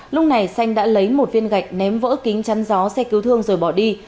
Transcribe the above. lúc này xanh đã lấy một viên gạch ném vỡ kính chăn gió xe cứu thương rồi bỏ đi